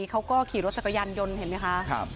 เค้าก็ขี่รถจักรยั่นยนเห็นไหมค่ะ